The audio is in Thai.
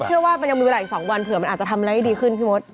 เชื่อว่ามันยังมีเวลาอีก๒วันเผื่อมันอาจจะทำอะไรได้ดีขึ้นพี่มด